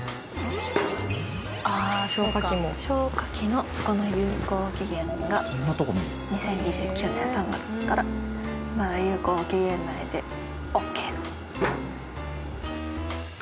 消火器のここの有効期限が２０２９年３月だからまだ有効期限内でオーケー。